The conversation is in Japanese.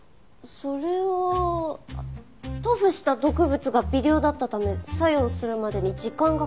それは塗布した毒物が微量だったため作用するまでに時間がかかったんじゃ。